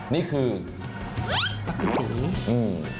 นี่คือประกับสี